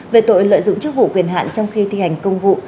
về tội lợi dụng chức vụ quyền hạn trong khi thi hành công vụ